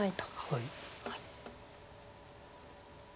はい。